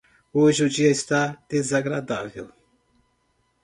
Hoje o dia está desagradável.